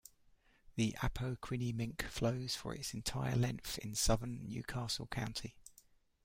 The Appoquinimink flows for its entire length in southern New Castle County.